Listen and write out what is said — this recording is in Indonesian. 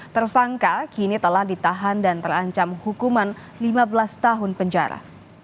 tersangka kini telah ditahan dan terancam hukuman lima belas tahun penjara